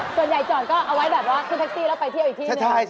ส่วนใหญ่จอดก็เอาไว้แบบว่าขึ้นแท็กซี่แล้วไปเที่ยวอีกที่